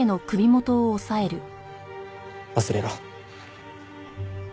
忘れろ。